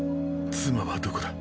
妻はどこだ。